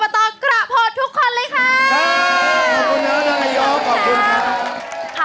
ตกระโพดทุกคนเลยค่ะ